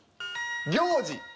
「行事」。